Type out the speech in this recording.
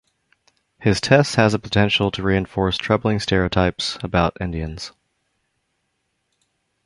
His test has the potential to reinforce troubling stereotypes about Indians.